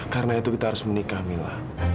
karena itu kita harus menikah mila